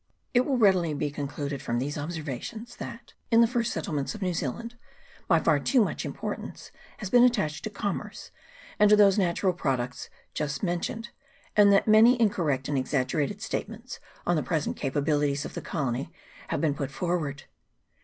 It will readily be concluded from these observa tions that, in the first settlements of New Zealand, by far too much importance has been attached to commerce and to those natural products just men tioned, and that many incorrect and exaggerated statements on the present capabilities of the colony have been brought forward.